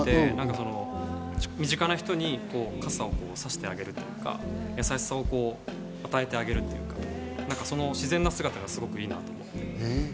身近な人に傘をさしてあげるというか、優しさを与えてあげるというか、その自然な姿がすごくいいなと思って。